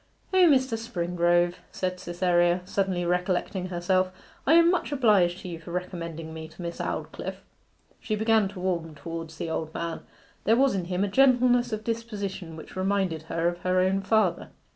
'O, Mr. Springrove,' said Cytherea, suddenly recollecting herself; 'I am much obliged to you for recommending me to Miss Aldclyffe.' She began to warm towards the old man; there was in him a gentleness of disposition which reminded her of her own father.